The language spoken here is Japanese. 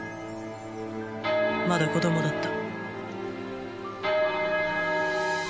まだ子供だった。